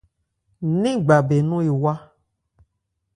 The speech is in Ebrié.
Nɛ́n gba bɛn nɔ̂n ewá.